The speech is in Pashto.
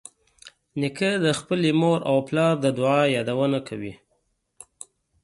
نیکه د خپلې مور او پلار د دعا یادونه کوي.